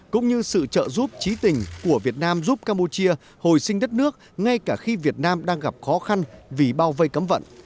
cũng như sự trợ giúp trí tình của việt nam giúp campuchia hồi sinh đất nước ngay cả khi việt nam đang gặp khó khăn vì bao vây cấm vận